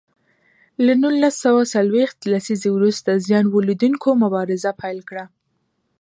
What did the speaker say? له نولس سوه څلویښت لسیزې وروسته زیان ولیدوونکو مبارزه پیل کړه.